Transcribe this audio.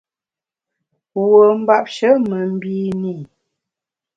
Wuo mbapshe me mbine i.